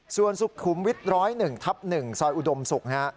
ส่วนสุคคุมวิทย์๑๐๑ถับ๑ซอยอุดมศุกร์